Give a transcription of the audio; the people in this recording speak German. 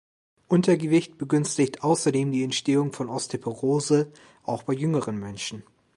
Untergewicht begünstigt außerdem die Entstehung von Osteoporose, auch bei jüngeren Menschen.